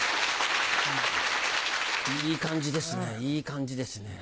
いい感じですねいい感じですね。